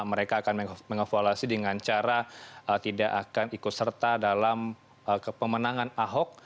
mereka akan mengevaluasi dengan cara tidak akan ikut serta dalam kepemenangan ahok